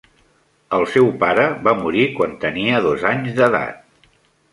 El seu pare va morir quan tenia dos anys d'edat.